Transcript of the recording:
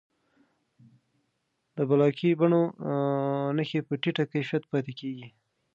د بلاکي بڼو نښې په ټیټه کیفیت پاتې کېږي.